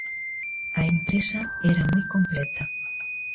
A empresa era moi completa.